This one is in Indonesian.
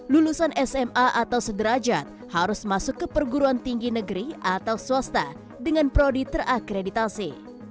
lulusan sma atau sederajat harus masuk ke perguruan tinggi negeri atau swasta dengan prodi terakreditasi